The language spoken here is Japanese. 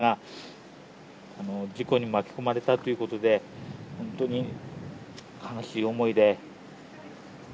将来があった人たちが、事故に巻き込まれたということで、本当に悲しい思いで。